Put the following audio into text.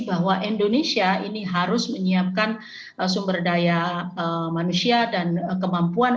bahwa indonesia ini harus menyiapkan sumber daya manusia dan kemampuan